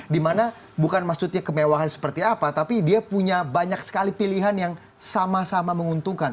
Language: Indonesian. dimana bukan maksudnya kemewahan seperti apa tapi dia punya banyak sekali pilihan yang sama sama menguntungkan